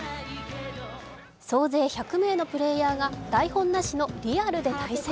総勢１００名のプレーヤーが台本なしのリアルで対戦。